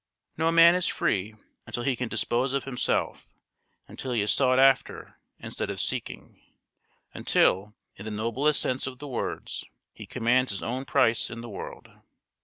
No man is free until he can dispose of himself; until he is sought after instead of seeking; until, in the noblest sense of the words, he commands his own price in the world.